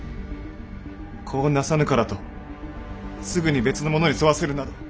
子をなさぬからとすぐに別の者に添わせるなど。